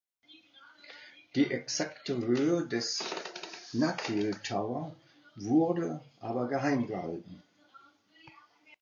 Die exakte Höhe des Nakheel Tower wurde aber geheim gehalten.